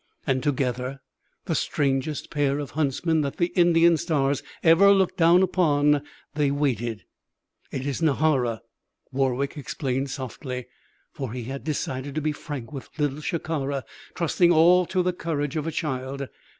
And together, the strangest pair of huntsmen that the Indian stars ever looked down upon, they waited. "It is Nahara," Warwick explained softly. For he had decided to be frank with Little Shikara, trusting all to the courage of a child.